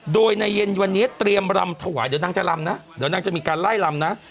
โดยในเย็นวันนี้เตรียมรำถวายเดี๋ยวนางจะรำนะเดี๋ยวนางจะมีการไล่ลำนะ